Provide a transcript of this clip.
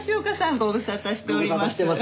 ご無沙汰しております。